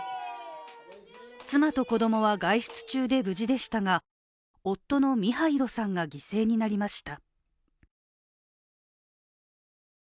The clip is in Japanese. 妻と子供は外出中で無事でしたが夫のミハイロさんが犠牲になりました。